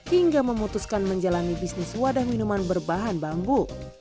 hingga memutuskan menjalani bisnis wadah minuman berbahan bambu